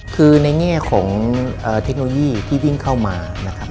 คือในแง่ของเทคโนโลยีที่วิ่งเข้ามานะครับ